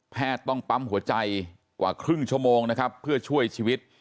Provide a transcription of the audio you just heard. ต้องปั๊มหัวใจกว่าครึ่งชั่วโมงนะครับเพื่อช่วยชีวิต